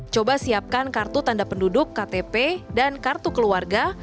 coba siapkan kartu tanda penduduk ktp dan kartu keluarga